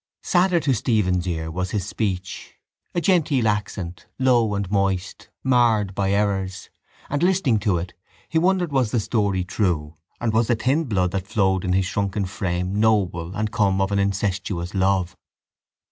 Sadder to Stephen's ear was his speech: a genteel accent, low and moist, marred by errors, and, listening to it, he wondered was the story true and was the thin blood that flowed in his shrunken frame noble and come of an incestuous love?